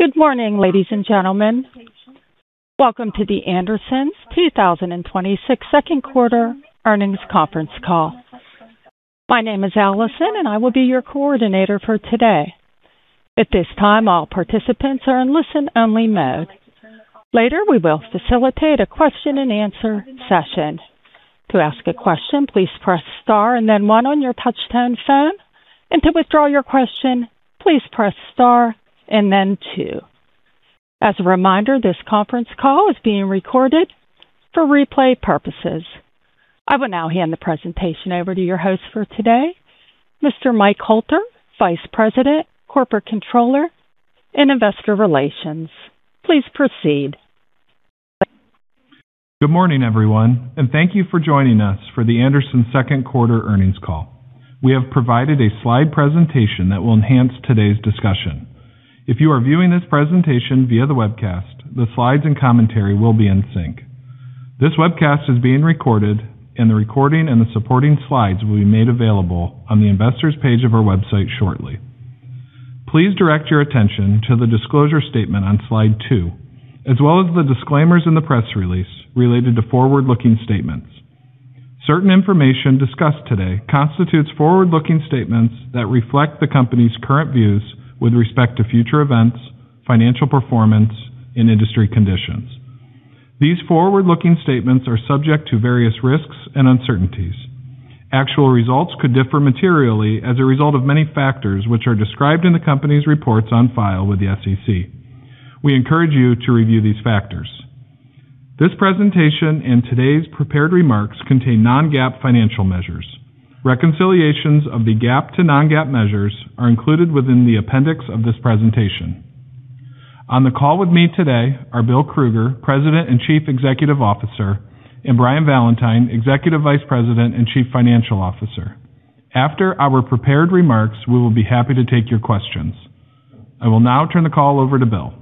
Good morning, ladies and gentlemen. Welcome to The Andersons 2026 second quarter earnings conference call. My name is Alison, and I will be your coordinator for today. At this time, all participants are in listen-only mode. Later, we will facilitate a question-and-answer session. To ask a question, please press star and then one on your touch-tone phone. To withdraw your question, please press star and then two. As a reminder, this conference call is being recorded for replay purposes. I will now hand the presentation over to your host for today, Mr. Mike Hoelter, Vice President, Corporate Controller, and Investor Relations. Please proceed. Good morning, everyone, thank you for joining us for The Andersons second quarter earnings call. We have provided a slide presentation that will enhance today's discussion. If you are viewing this presentation via the webcast, the slides and commentary will be in sync. This webcast is being recorded and the recording and the supporting slides will be made available on the investors page of our website shortly. Please direct your attention to the disclosure statement on slide two, as well as the disclaimers in the press release related to forward-looking statements. Certain information discussed today constitutes forward-looking statements that reflect the company's current views with respect to future events, financial performance, and industry conditions.\ These forward-looking statements are subject to various risks and uncertainties. Actual results could differ materially as a result of many factors, which are described in the company's reports on file with the SEC. We encourage you to review these factors. This presentation, today's prepared remarks contain non-GAAP financial measures. Reconciliations of the GAAP to non-GAAP measures are included within the appendix of this presentation. On the call with me today are Bill Krueger, President and Chief Executive Officer, and Brian Valentine, Executive Vice President and Chief Financial Officer. After our prepared remarks, we will be happy to take your questions. I will now turn the call over to Bill.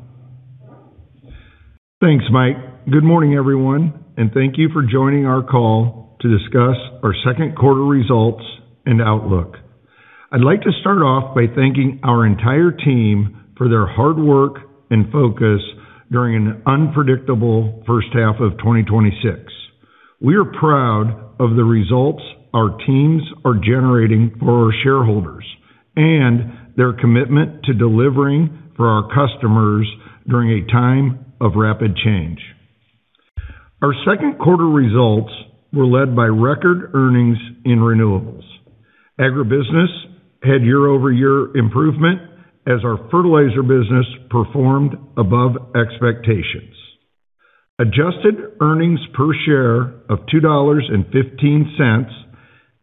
Thanks, Mike. Good morning, everyone, thank you for joining our call to discuss our second quarter results, outlook. I'd like to start off by thanking our entire team for their hard work and focus during an unpredictable first half of 2026. We are proud of the results our teams are generating for our shareholders, and their commitment to delivering for our customers during a time of rapid change. Our second quarter results were led by record earnings in Renewables. Agribusiness had year-over-year improvement as our fertilizer business performed above expectations. Adjusted earnings per share of $2.15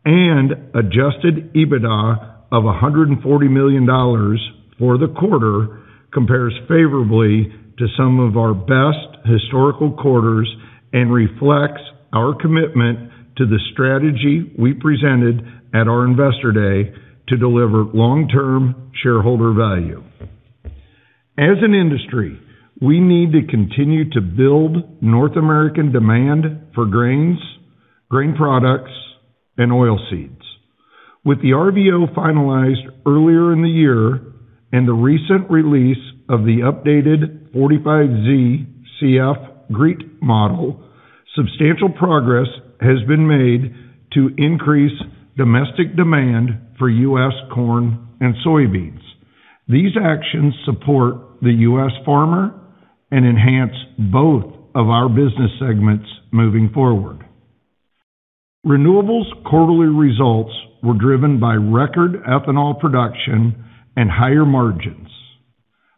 and adjusted EBITDA of $140 million for the quarter compares favorably to some of our best historical quarters and reflects our commitment to the strategy we presented at our Investor Day to deliver long-term shareholder value. As an industry, we need to continue to build North American demand for grains, grain products, and oilseeds. With the RVO finalized earlier in the year and the recent release of the updated 45ZCF-GREET model, substantial progress has been made to increase domestic demand for U.S. corn and soybeans. These actions support the U.S. farmer and enhance both of our business segments moving forward. Renewables quarterly results were driven by record ethanol production and higher margins.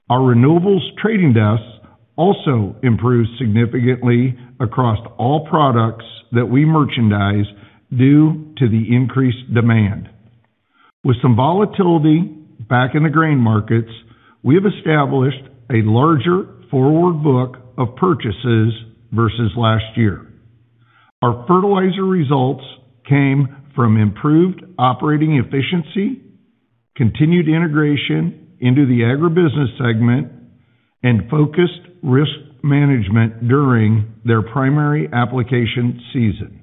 Our Renewables trading desks also improved significantly across all products that we merchandise due to the increased demand. With some volatility back in the grain markets, we have established a larger forward book of purchases versus last year. Our fertilizer results came from improved operating efficiency, continued integration into the Agribusiness segment, and focused risk management during their primary application season.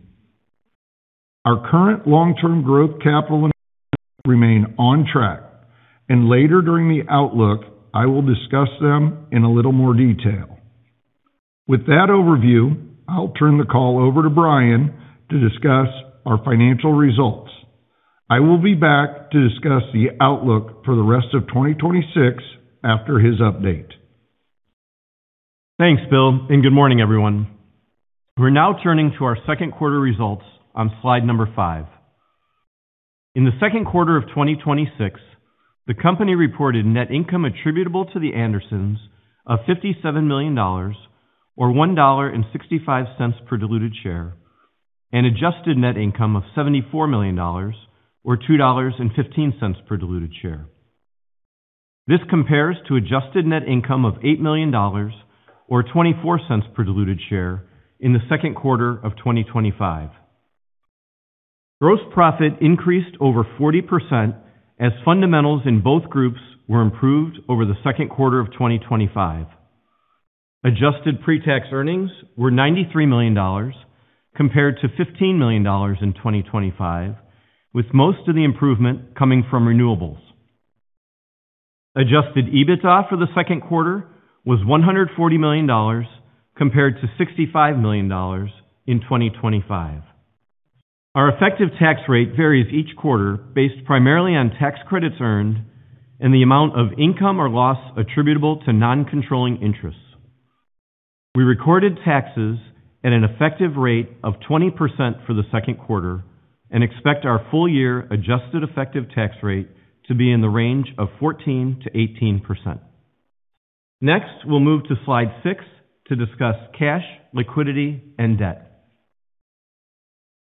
Our current long-term growth capital remain on track. Later during the outlook, I will discuss them in a little more detail. With that overview, I'll turn the call over to Brian to discuss our financial results. I will be back to discuss the outlook for the rest of 2026 after his update. Thanks, Bill. Good morning, everyone. We're now turning to our second quarter results on slide number five. In the second quarter of 2026, the company reported net income attributable to The Andersons of $57 million, or $1.65 per diluted share, and adjusted net income of $74 million, or $2.15 per diluted share. This compares to adjusted net income of $8 million, or $0.24 per diluted share in the second quarter of 2025. Gross profit increased over 40% as fundamentals in both groups were improved over the second quarter of 2025. Adjusted pre-tax earnings were $93 million compared to $15 million in 2025, with most of the improvement coming from Renewables. Adjusted EBITDA for the second quarter was $140 million compared to $65 million in 2025. Our effective tax rate varies each quarter based primarily on tax credits earned and the amount of income or loss attributable to non-controlling interests. We recorded taxes at an effective rate of 20% for the second quarter and expect our full year adjusted effective tax rate to be in the range of 14%-18%. Next, we'll move to slide six to discuss cash, liquidity, and debt.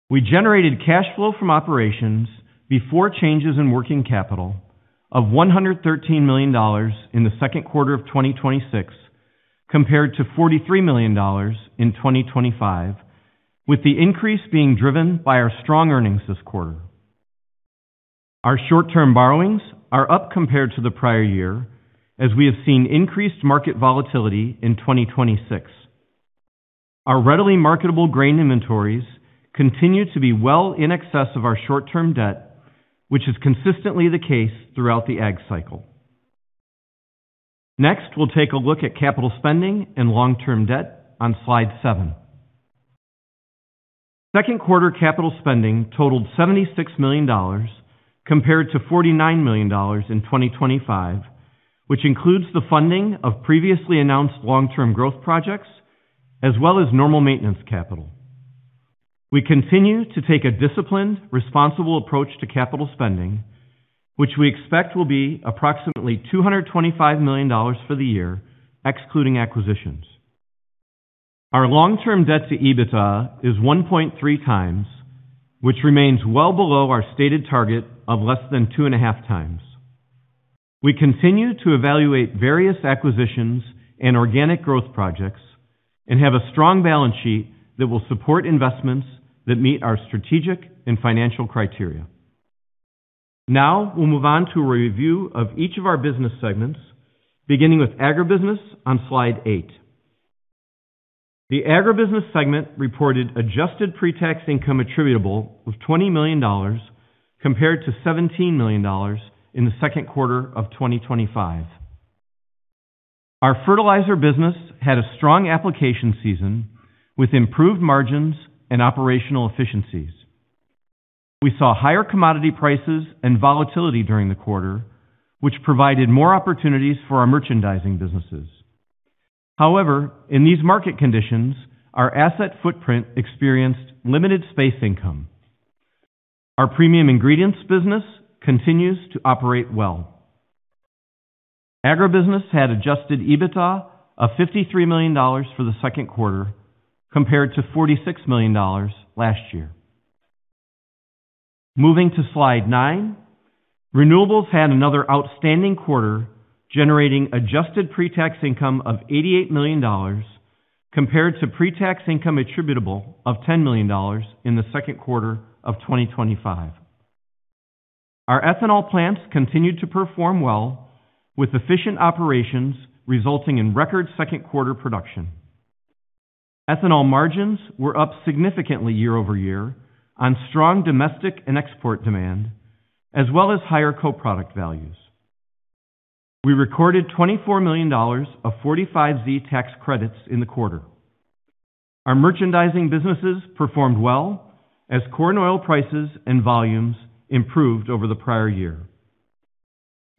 We generated cash flow from operations before changes in working capital of $113 million in the second quarter of 2026 compared to $43 million in 2025, with the increase being driven by our strong earnings this quarter. Our short-term borrowings are up compared to the prior year, as we have seen increased market volatility in 2026. Our readily marketable grain inventories continue to be well in excess of our short-term debt, which is consistently the case throughout the ag cycle. Next, we'll take a look at capital spending and long-term debt on slide seven. Second quarter capital spending totaled $76 million compared to $49 million in 2025, which includes the funding of previously announced long-term growth projects, as well as normal maintenance capital. We continue to take a disciplined, responsible approach to capital spending, which we expect will be approximately $225 million for the year, excluding acquisitions. Our long-term debt to EBITDA is 1.3x, which remains well below our stated target of less than 2.5x. We continue to evaluate various acquisitions and organic growth projects and have a strong balance sheet that will support investments that meet our strategic and financial criteria. Now, we'll move on to a review of each of our business segments, beginning with Agribusiness on slide eight. The Agribusiness segment reported adjusted pre-tax income attributable of $20 million compared to $17 million in the second quarter of 2025. Our fertilizer business had a strong application season with improved margins and operational efficiencies. We saw higher commodity prices and volatility during the quarter, which provided more opportunities for our merchandising businesses. However, in these market conditions, our asset footprint experienced limited space income. Our premium ingredients business continues to operate well. Agribusiness had adjusted EBITDA of $53 million for the second quarter, compared to $46 million last year. Moving to slide nine, Renewables had another outstanding quarter, generating adjusted pre-tax income of $88 million compared to pre-tax income attributable of $10 million in the second quarter of 2025. Our ethanol plants continued to perform well with efficient operations resulting in record second quarter production. Ethanol margins were up significantly year-over-year on strong domestic and export demand, as well as higher co-product values. We recorded $24 million of 45Z tax credits in the quarter. Our merchandising businesses performed well as corn oil prices and volumes improved over the prior year.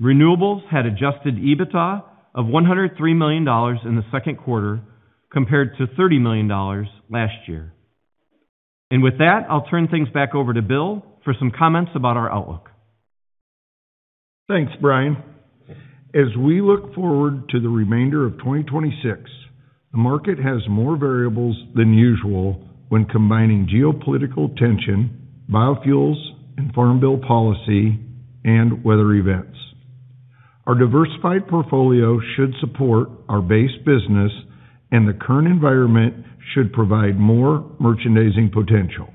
Renewables had adjusted EBITDA of $103 million in the second quarter compared to $30 million last year. With that, I'll turn things back over to Bill for some comments about our outlook. Thanks, Brian. As we look forward to the remainder of 2026, the market has more variables than usual when combining geopolitical tension, biofuels, and farm bill policy, and weather events. Our diversified portfolio should support our base business and the current environment should provide more merchandising potential.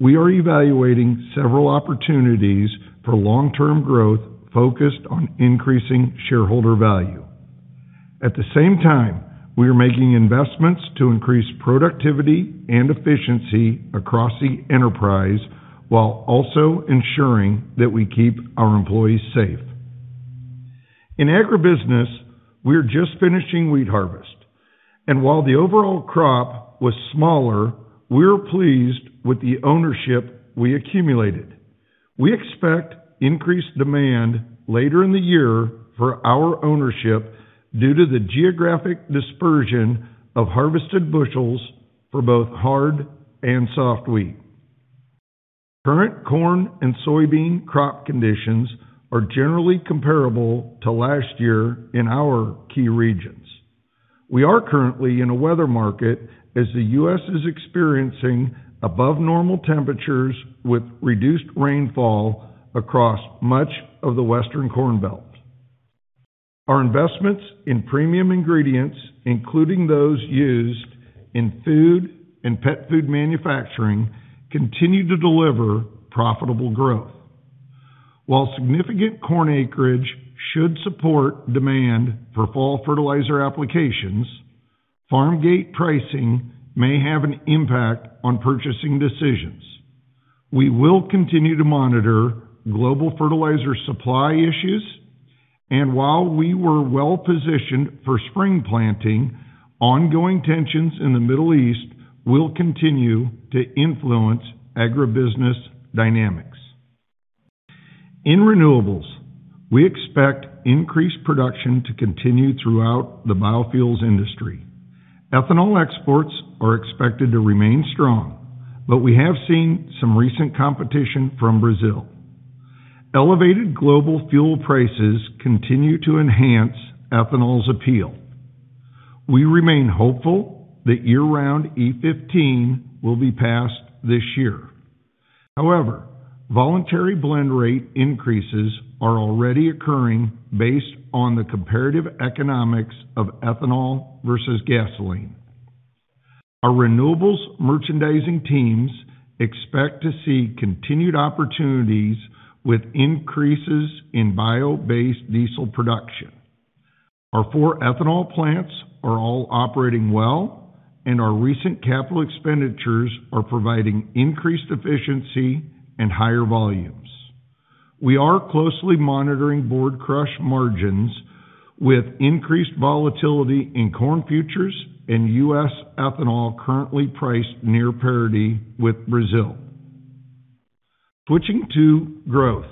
We are evaluating several opportunities for long-term growth focused on increasing shareholder value. At the same time, we are making investments to increase productivity and efficiency across the enterprise while also ensuring that we keep our employees safe. In Agribusiness, we're just finishing wheat harvest, and while the overall crop was smaller, we're pleased with the ownership we accumulated. We expect increased demand later in the year for our ownership due to the geographic dispersion of harvested bushels for both hard and soft wheat. Current corn and soybean crop conditions are generally comparable to last year in our key regions. We are currently in a weather market as the U.S. is experiencing above normal temperatures with reduced rainfall across much of the Western Corn Belt. Our investments in premium ingredients, including those used in food and pet food manufacturing, continue to deliver profitable growth. While significant corn acreage should support demand for fall fertilizer applications, farm gate pricing may have an impact on purchasing decisions. We will continue to monitor global fertilizer supply issues, and while we were well-positioned for spring planting, ongoing tensions in the Middle East will continue to influence Agribusiness dynamics. In Renewables, we expect increased production to continue throughout the biofuels industry. Ethanol exports are expected to remain strong, but we have seen some recent competition from Brazil. Elevated global fuel prices continue to enhance ethanol's appeal. We remain hopeful that year-round E15 will be passed this year. Voluntary blend rate increases are already occurring based on the comparative economics of ethanol versus gasoline. Our Renewables merchandising teams expect to see continued opportunities with increases in bio-based diesel production. Our four ethanol plants are all operating well, and our recent capital expenditures are providing increased efficiency and higher volumes. We are closely monitoring board crush margins with increased volatility in corn futures and U.S. ethanol currently priced near parity with Brazil. Switching to growth,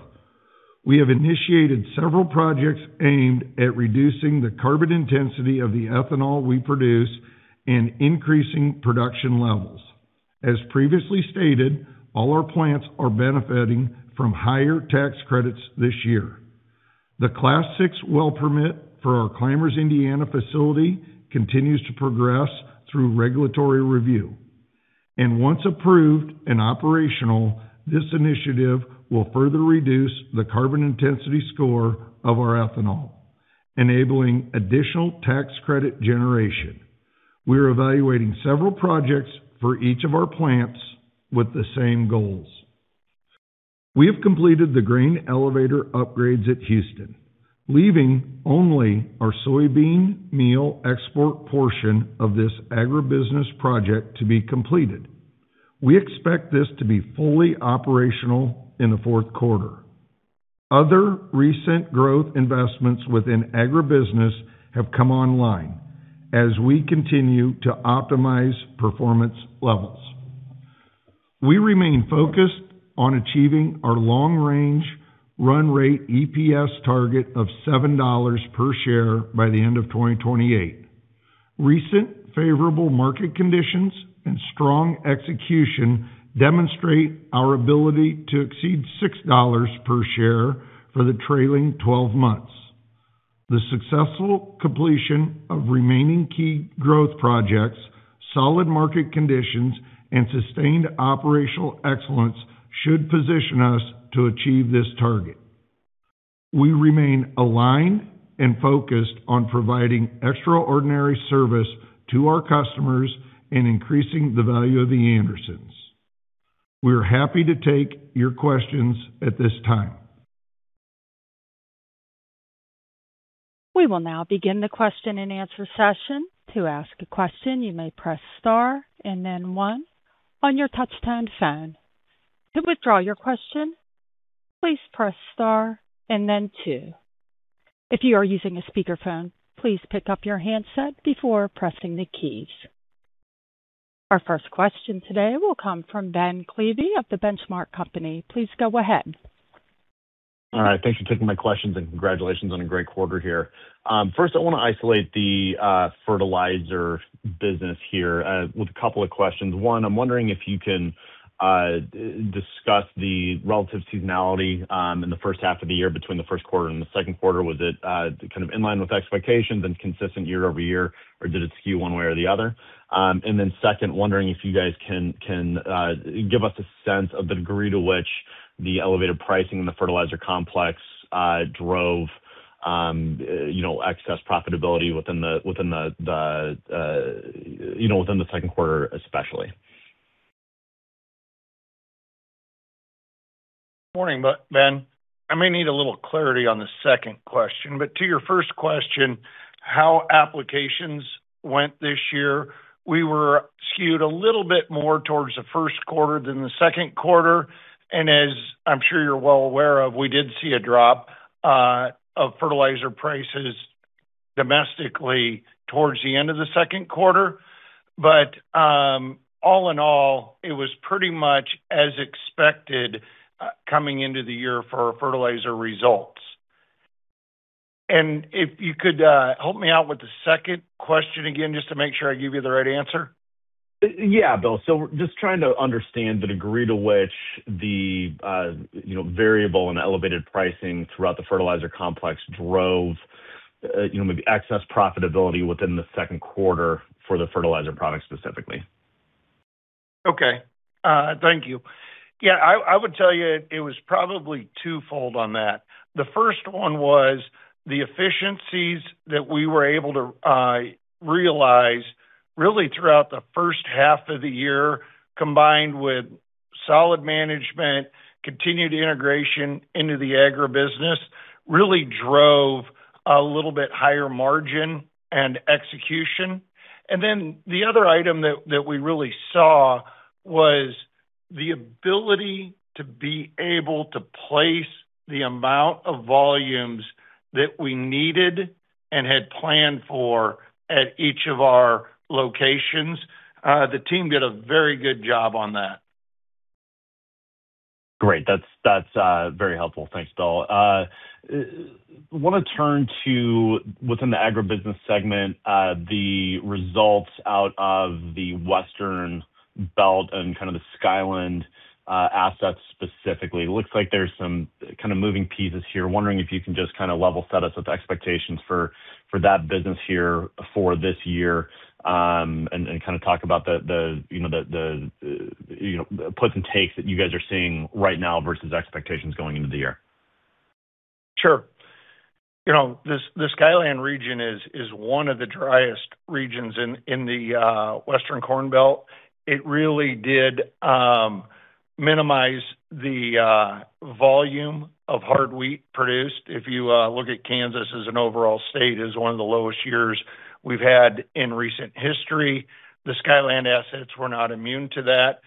we have initiated several projects aimed at reducing the carbon intensity of the ethanol we produce and increasing production levels. As previously stated, all our plants are benefiting from higher tax credits this year. The Class VI well permit for our Clymers, Indiana facility continues to progress through regulatory review. Once approved and operational, this initiative will further reduce the carbon intensity score of our ethanol, enabling additional tax credit generation. We are evaluating several projects for each of our plants with the same goals. We have completed the grain elevator upgrades at Houston, leaving only our soybean meal export portion of this Agribusiness project to be completed. We expect this to be fully operational in the fourth quarter. Other recent growth investments within Agribusiness have come online as we continue to optimize performance levels. We remain focused on achieving our long-range run rate EPS target of $7 per share by the end of 2028. Recent favorable market conditions and strong execution demonstrate our ability to exceed $6 per share for the trailing 12 months. The successful completion of remaining key growth projects, solid market conditions, and sustained operational excellence should position us to achieve this target. We remain aligned and focused on providing extraordinary service to our customers and increasing the value of The Andersons. We are happy to take your questions at this time. We will now begin the question-and-answer session. To ask a question, you may press star and then one on your touch-tone phone. To withdraw your question, please press star and then two. If you are using a speakerphone, please pick up your handset before pressing the keys. Our first question today will come from Ben Klieve of The Benchmark Company. Please go ahead. All right. Thanks for taking my questions and congratulations on a great quarter here. First, I want to isolate the fertilizer business here with a couple of questions. One, I'm wondering if you can discuss the relative seasonality in the first half of the year between the first quarter and the second quarter. Was it kind of in line with expectations and consistent year-over-year, or did it skew one way or the other? Second, wondering if you guys can give us a sense of the degree to which the elevated pricing in the fertilizer complex drove excess profitability within the second quarter especially. Morning, Ben. I may need a little clarity on the second question, but to your first question, how applications went this year, we were skewed a little bit more towards the first quarter than the second quarter, and as I'm sure you're well aware of, we did see a drop of fertilizer prices domestically towards the end of the second quarter. All in all, it was pretty much as expected coming into the year for our fertilizer results. If you could help me out with the second question again, just to make sure I give you the right answer. Yeah, Bill. Just trying to understand the degree to which the variable and elevated pricing throughout the fertilizer complex drove maybe excess profitability within the second quarter for the fertilizer products specifically. Thank you. I would tell you it was probably twofold on that. The first one was the efficiencies that we were able to realize really throughout the first half of the year, combined with solid management, continued integration into the Agribusiness, really drove a little bit higher margin and execution. Then the other item that we really saw was the ability to be able to place the amount of volumes that we needed and had planned for at each of our locations. The team did a very good job on that. Great. That's very helpful. Thanks, Bill. Want to turn to, within the Agribusiness segment, the results out of the Western Belt and the Skyland assets specifically. Looks like there's some moving pieces here. Wondering if you can just level set us with expectations for that business here for this year, and talk about the puts and takes that you guys are seeing right now versus expectations going into the year. Sure. The Skyland region is one of the driest regions in the Western Corn Belt. It really did minimize the volume of hard wheat produced. If you look at Kansas as an overall state, it is one of the lowest years we've had in recent history. The Skyland assets were not immune to that.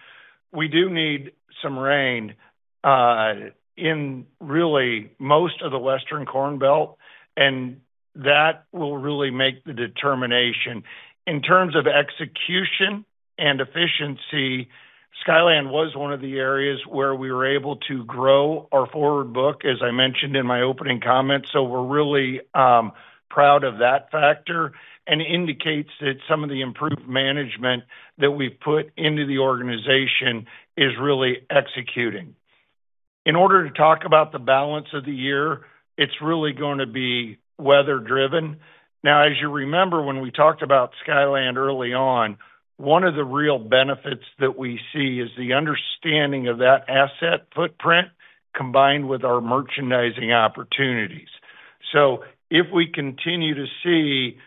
We do need some rain in really most of the Western Corn Belt, and that will really make the determination. In terms of execution and efficiency, Skyland was one of the areas where we were able to grow our forward book, as I mentioned in my opening comments. We're really proud of that factor, and indicates that some of the improved management that we've put into the organization is really executing. In order to talk about the balance of the year, it's really going to be weather-driven. Now, as you remember, when we talked about Skyland early on, one of the real benefits that we see is the understanding of that asset footprint combined with our merchandising opportunities. If we continue to see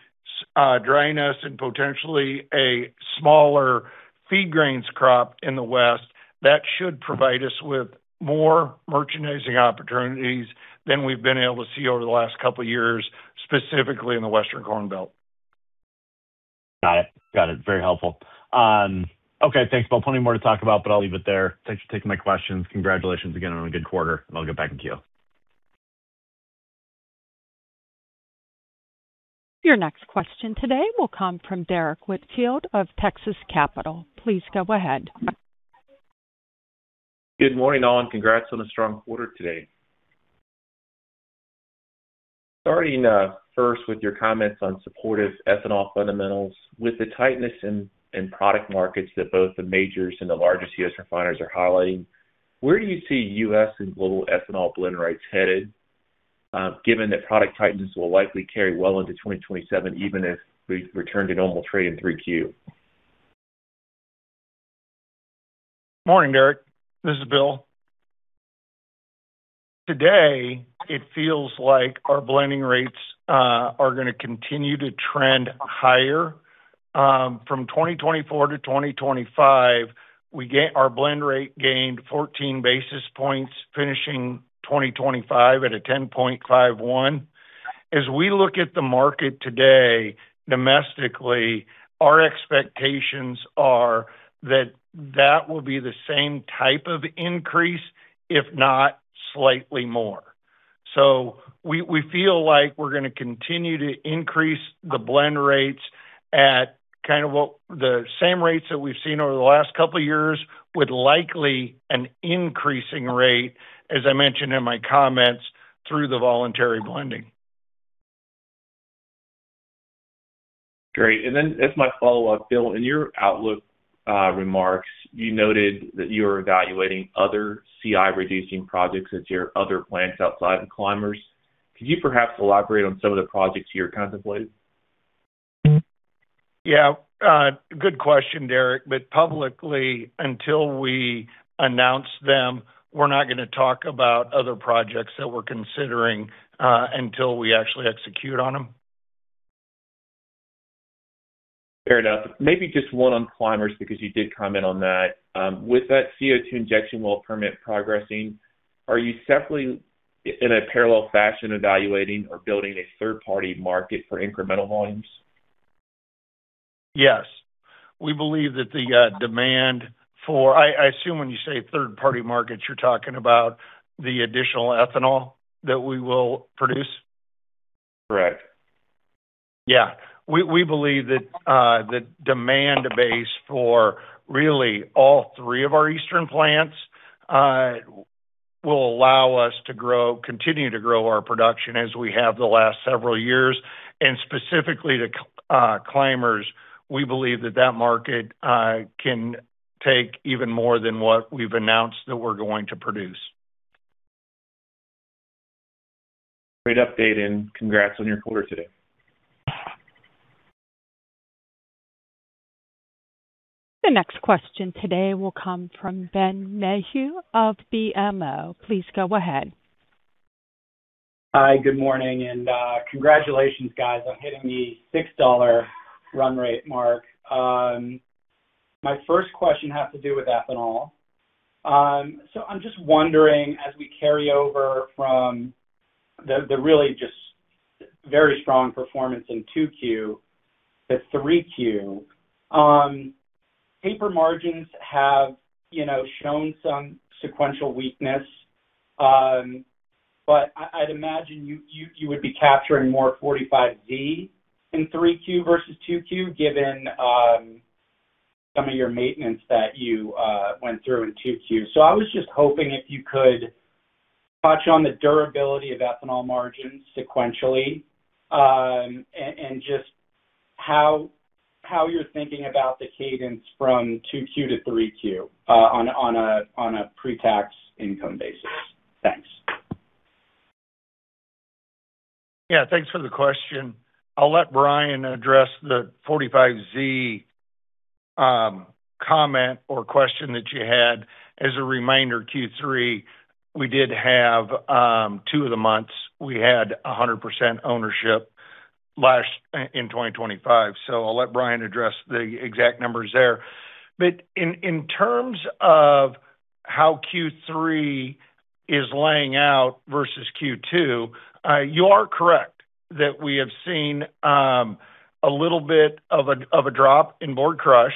dryness and potentially a smaller feed grains crop in the West, that should provide us with more merchandising opportunities than we've been able to see over the last couple of years, specifically in the Western Corn Belt. Got it. Very helpful. Okay, thanks, Bill. Plenty more to talk about, but I'll leave it there. Thanks for taking my questions. Congratulations again on a good quarter, and I'll get back in queue. Your next question today will come from Derrick Whitfield of Texas Capital. Please go ahead. Good morning, all, and congrats on a strong quarter today. Starting first with your comments on supportive ethanol fundamentals, with the tightness in product markets that both the majors and the largest U.S. refiners are highlighting, where do you see U.S. and global ethanol blend rates headed, given that product tightness will likely carry well into 2027, even if we return to normal trade in 3Q? Morning, Derrick. This is Bill. Today, it feels like our blending rates are going to continue to trend higher. From 2024-2025, our blend rate gained 14 basis points, finishing 2025 at a 10.51. As we look at the market today, domestically, our expectations are that that will be the same type of increase, if not slightly more. We feel like we're going to continue to increase the blend rates at kind of the same rates that we've seen over the last couple of years, with likely an increasing rate, as I mentioned in my comments, through the voluntary blending. Then as my follow-up, Bill, in your outlook remarks, you noted that you are evaluating other CI-reducing projects at your other plants outside of Clymers. Could you perhaps elaborate on some of the projects you're contemplating? Yeah. Good question, Derrick. Publicly, until we announce them, we're not going to talk about other projects that we're considering until we actually execute on them. Fair enough. Maybe just one on Clymers, because you did comment on that. With that CO2 injection well permit progressing, are you separately, in a parallel fashion, evaluating or building a third-party market for incremental volumes? Yes. I assume when you say third-party markets, you're talking about the additional ethanol that we will produce? Correct. We believe that the demand base for really all three of our eastern plants will allow us to continue to grow our production as we have the last several years. Specifically to Clymers, we believe that that market can take even more than what we've announced that we're going to produce. Great update, and congrats on your quarter today. The next question today will come from Ben Mayhew of BMO. Please go ahead. Hi. Good morning, congratulations, guys, on hitting the $6 run rate mark. My first question has to do with ethanol. I'm just wondering, as we carry over from the really just very strong performance in 2Q to 3Q, paper margins have shown some sequential weakness. I'd imagine you would be capturing more 45Z in 3Q versus 2Q, given some of your maintenance that you went through in 2Q. I was just hoping if you could touch on the durability of ethanol margins sequentially, and just how you're thinking about the cadence from 2Q to 3Q on a pre-tax income basis. Thanks. Yeah, thanks for the question. I'll let Brian address the 45Z comment or question that you had. As a reminder, Q3, we did have two of the months, we had 100% ownership in 2025. I'll let Brian address the exact numbers there. In terms of how Q3 is laying out versus Q2, you are correct that we have seen a little bit of a drop in board crush.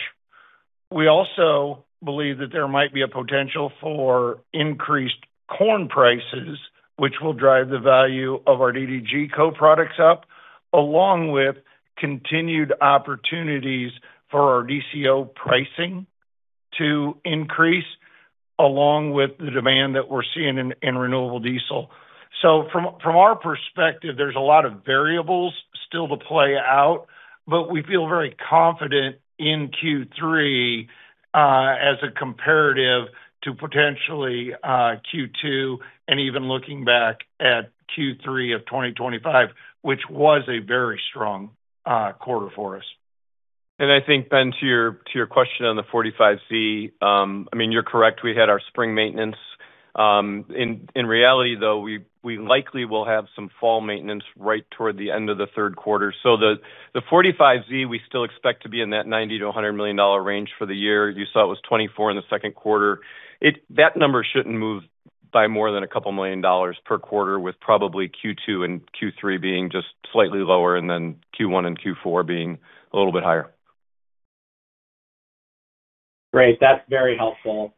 We also believe that there might be a potential for increased corn prices, which will drive the value of our DDG co-products up, along with continued opportunities for our DCO pricing to increase, along with the demand that we're seeing in renewable diesel. From our perspective, there's a lot of variables still to play out, but we feel very confident in Q3 as a comparative to potentially Q2 and even looking back at Q3 of 2025, which was a very strong quarter for us. I think, Ben, to your question on the 45Z, you're correct. We had our spring maintenance. In reality, though, we likely will have some fall maintenance right toward the end of the third quarter. The 45Z, we still expect to be in that $90 million-$100 million range for the year. You saw it was $24 in the second quarter. That number shouldn't move by more than a couple million dollars per quarter, with probably Q2 and Q3 being just slightly lower, and then Q1 and Q4 being a little bit higher. Great. That's very helpful.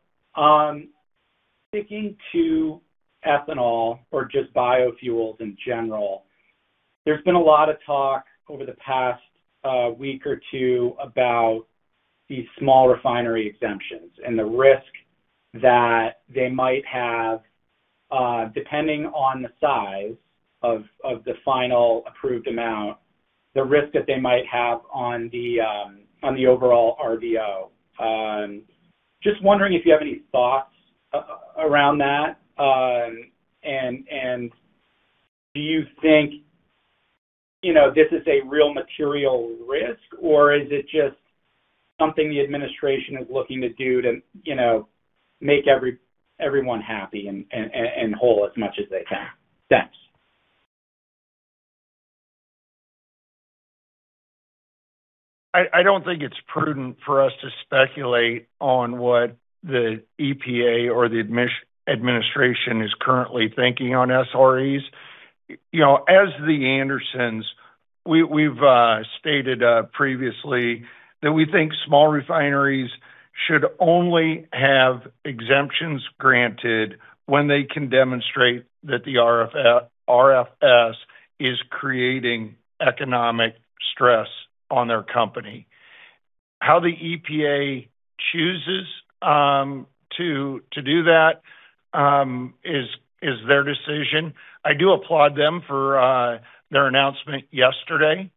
Sticking to ethanol or just biofuels in general, there's been a lot of talk over the past week or two about these small refinery exemptions and the risk that they might have, depending on the size of the final approved amount, the risk that they might have on the overall RVO. Just wondering if you have any thoughts around that, and do you think this is a real material risk, or is it just something the administration is looking to do to make everyone happy and whole as much as they can? Thanks. I don't think it's prudent for us to speculate on what the EPA or the administration is currently thinking on SREs. As The Andersons, we've stated previously that we think small refineries should only have exemptions granted when they can demonstrate that the RFS is creating economic stress on their company. How the EPA chooses to do that is their decision. I do applaud them for their announcement yesterday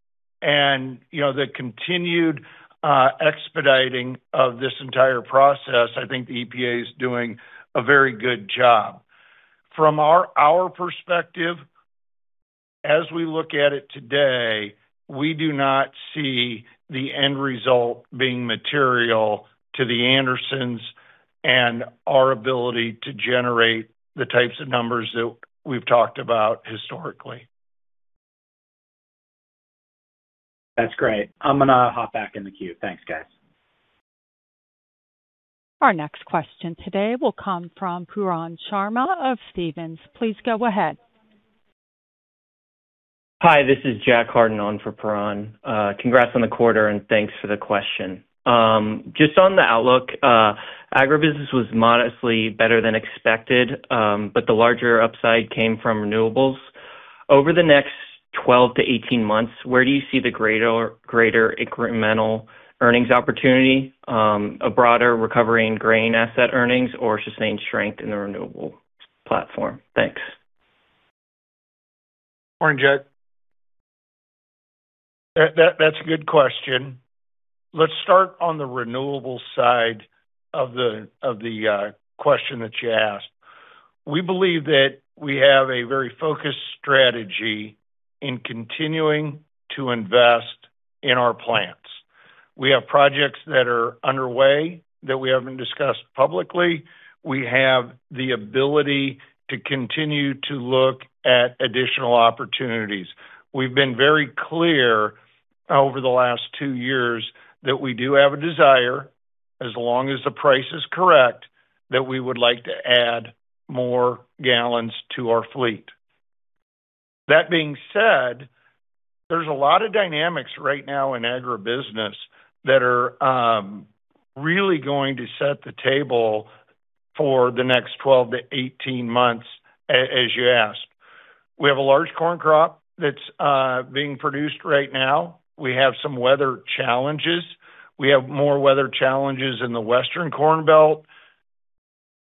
and the continued expediting of this entire process. I think the EPA is doing a very good job. From our perspective, as we look at it today, we do not see the end result being material to The Andersons and our ability to generate the types of numbers that we've talked about historically. That's great. I'm going to hop back in the queue. Thanks, guys. Our next question today will come from Pooran Sharma of Stephens. Please go ahead. Hi, this is Jack Hardin on for Pooran. Congrats on the quarter, and thanks for the question. On the outlook, Agribusiness was modestly better than expected, but the larger upside came from Renewables. Over the next 12-18 months, where do you see the greater incremental earnings opportunity? A broader recovery in grain asset earnings or sustained strength in the renewable platform? Thanks. Morning, Jack. That's a good question. Let's start on the renewable side of the question that you asked. We believe that we have a very focused strategy in continuing to invest in our plants. We have projects that are underway that we haven't discussed publicly. We have the ability to continue to look at additional opportunities. We've been very clear over the last two years that we do have a desire, as long as the price is correct, that we would like to add more gallons to our fleet. That being said, there's a lot of dynamics right now in Agribusiness that are really going to set the table for the next 12-18 months, as you asked. We have a large corn crop that's being produced right now. We have some weather challenges. We have more weather challenges in the Western corn belt.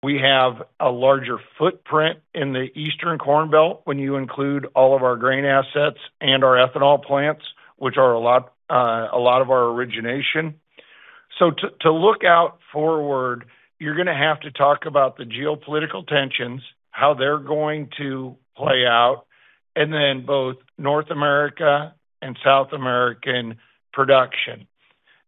We have a larger footprint in the Eastern corn belt when you include all of our grain assets and our ethanol plants, which are a lot of our origination. To look out forward, you're going to have to talk about the geopolitical tensions, how they're going to play out, and then both North America and South American production.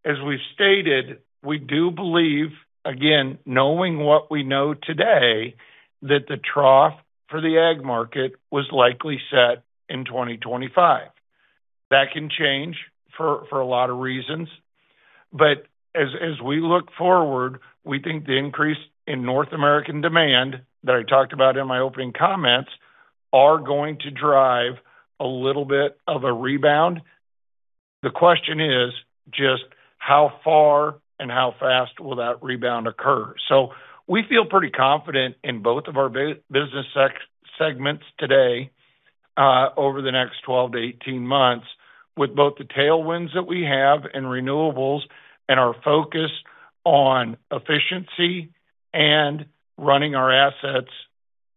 As we've stated, we do believe, again, knowing what we know today, that the trough for the ag market was likely set in 2025. That can change for a lot of reasons. As we look forward, we think the increase in North American demand that I talked about in my opening comments are going to drive a little bit of a rebound. The question is just how far and how fast will that rebound occur? We feel pretty confident in both of our business segments today, over the next 12-18 months with both the tailwinds that we have in Renewables and our focus on efficiency and running our assets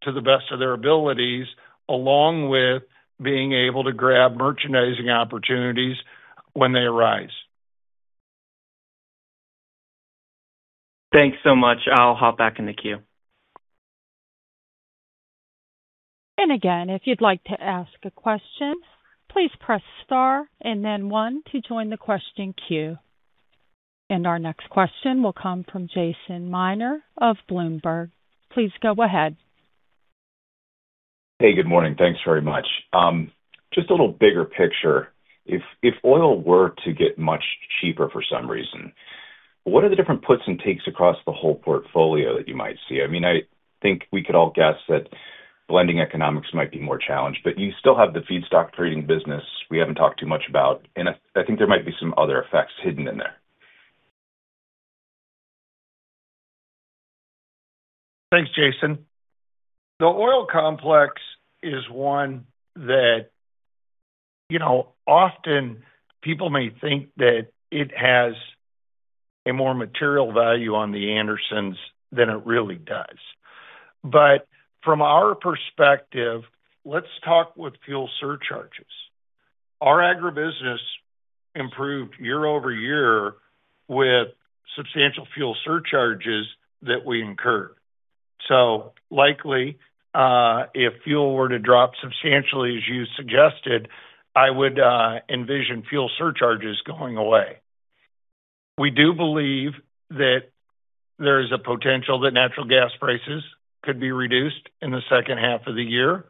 to the best of their abilities, along with being able to grab merchandising opportunities when they arise. Thanks so much. I'll hop back in the queue. If you'd like to ask a question, please press star and then one to join the question queue. Our next question will come from Jason Miner of Bloomberg. Please go ahead. Hey, good morning. Thanks very much. Just a little bigger picture. If oil were to get much cheaper for some reason, what are the different puts and takes across the whole portfolio that you might see? I think we could all guess that blending economics might be more challenged, but you still have the feedstock trading business we haven't talked too much about, and I think there might be some other effects hidden in there. Thanks, Jason. The oil complex is one that often people may think that it has a more material value on The Andersons than it really does. From our perspective, let's talk with fuel surcharges. Our Agribusiness improved year-over-year with substantial fuel surcharges that we incurred. Likely, if fuel were to drop substantially, as you suggested, I would envision fuel surcharges going away. We do believe that there is a potential that natural gas prices could be reduced in the second half of the year.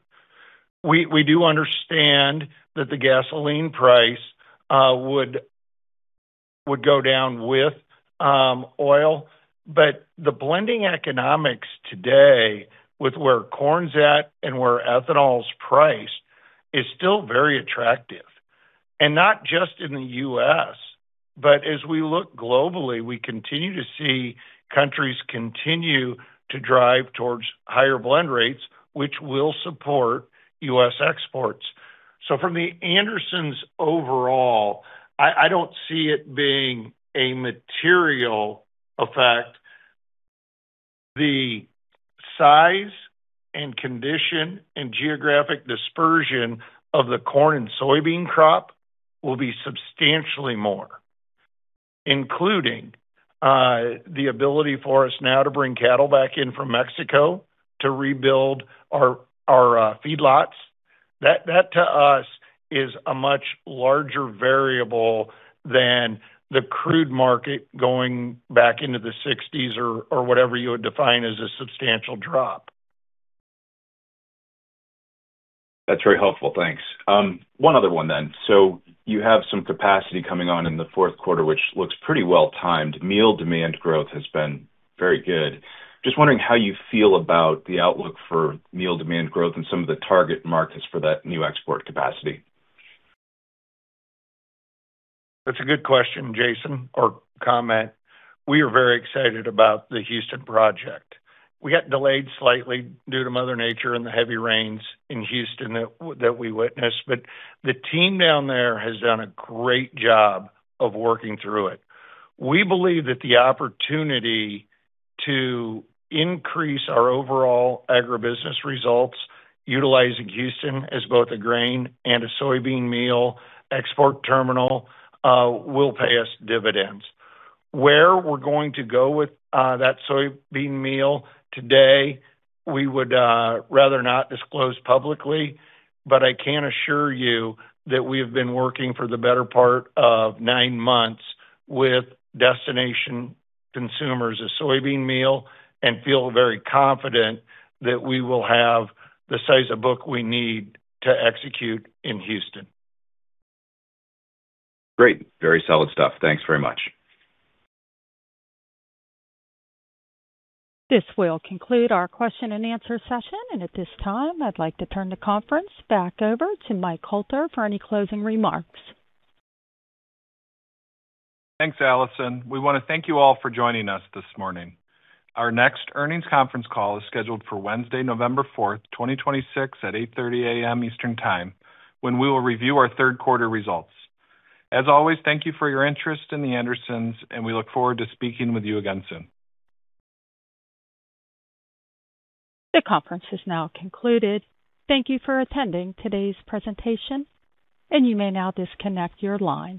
We do understand that the gasoline price would go down with oil, but the blending economics today with where corn's at and where ethanol's priced is still very attractive. Not just in the U.S., but as we look globally, we continue to see countries continue to drive towards higher blend rates, which will support U.S. exports. From The Andersons overall, I don't see it being a material effect. The size and condition and geographic dispersion of the corn and soybean crop will be substantially more, including the ability for us now to bring cattle back in from Mexico to rebuild our feedlots. That, to us, is a much larger variable than the crude market going back into the 1960s or whatever you would define as a substantial drop. That's very helpful. Thanks. One other one. You have some capacity coming on in the fourth quarter, which looks pretty well timed. Meal demand growth has been very good. Just wondering how you feel about the outlook for meal demand growth and some of the target markets for that new export capacity. That's a good question, Jason, or comment. We are very excited about the Houston project. We got delayed slightly due to mother nature and the heavy rains in Houston that we witnessed. The team down there has done a great job of working through it. We believe that the opportunity to increase our overall Agribusiness results, utilizing Houston as both a grain and a soybean meal export terminal, will pay us dividends. Where we're going to go with that soybean meal today, we would rather not disclose publicly. I can assure you that we have been working for the better part of nine months with destination consumers of soybean meal and feel very confident that we will have the size of book we need to execute in Houston. Great. Very solid stuff. Thanks very much. This will conclude our question-and-answer session. At this time, I'd like to turn the conference back over to Mike Hoelter for any closing remarks. Thanks, Allison. We want to thank you all for joining us this morning. Our next earnings conference call is scheduled for Wednesday, November 4th, 2026 at 8:30 A.M. Eastern Time, when we will review our third quarter results. As always, thank you for your interest in The Andersons, and we look forward to speaking with you again soon. The conference is now concluded. Thank you for attending today's presentation, and you may now disconnect your lines